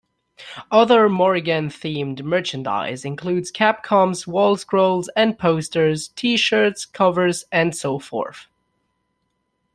Other Morrigan-themed merchandise include Capcom's wall scrolls and posters, T-shirts, covers, and so forth.